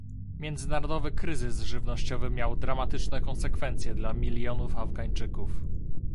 Międzynarodowy kryzys żywnościowy miał dramatyczne konsekwencje dla milionów Afgańczyków